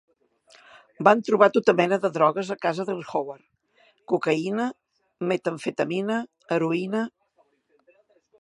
Van trobar tota mena de drogues a casa d'en Howard: cocaïna, metamfetamina, heroïna...